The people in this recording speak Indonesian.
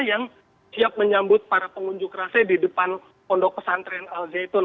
yang siap menyambut para pengunjuk rasa di depan pondok pesantren al zaitun